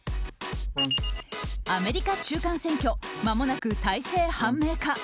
アメリカ中間選挙まもなく大勢判明か。